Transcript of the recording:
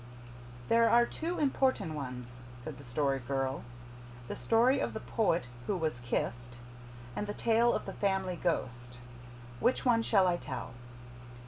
"There are two important ones," said the Story Girl. "The story of the Poet Who Was Kissed, and the Tale of the Family Ghost. Which one shall I tell?"